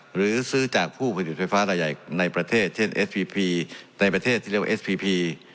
หรือซื้อจากผู้ผลิตไฟฟ้ารายใหญ่ในประเทศเช่นเอสพีพีในประเทศที่เรียกว่าเอสพีพี